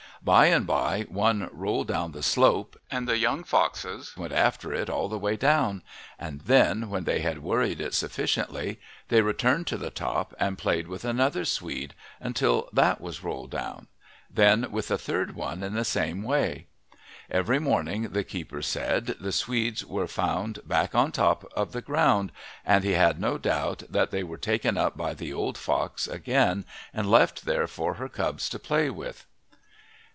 By and by one rolled down the slope, and the young foxes went after it all the way down, and then, when they had worried it sufficiently, they returned to the top and played with another swede until that was rolled down, then with the third one in the same way. Every morning, the keeper said, the swedes were found back on top of the ground, and he had no doubt that they were taken up by the old fox again and left there for her cubs to play with.